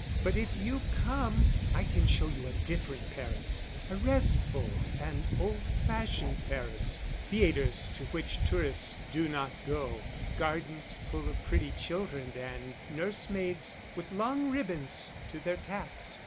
But if you come I can show you a different Paris a restful and old fashioned Paris, theatres to which tourists do not go; gardens full of pretty children and nursemaids with long ribbons to their caps.